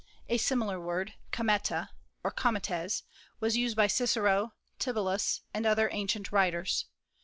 A similar word, cometa, or cometes, was used by Cicero, Tibullus and other ancient writers.